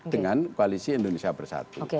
dengan kualisi indonesia bersatu oke